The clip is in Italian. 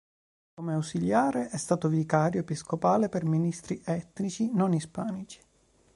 Come ausiliare è stato vicario episcopale per ministeri etnici non ispanici.